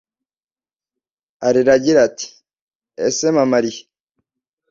arira agira ati ese mama ari he